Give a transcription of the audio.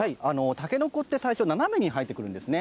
タケノコって、最初、斜めに生えてくるんですね。